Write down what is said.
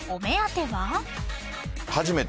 初めて？